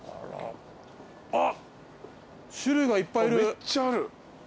めっちゃある。